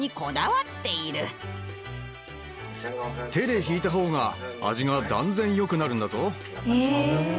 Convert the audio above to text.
手で挽いた方が味が断然よくなるんだぞ。